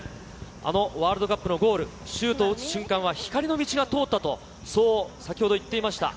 あのワールドカップのゴール、シュートを打つ瞬間は、光の道が通ったと、そう、先ほど言っていました。